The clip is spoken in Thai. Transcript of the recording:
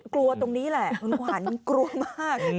กลัวตรงนี้แหละคุณขวัญกลัวมาก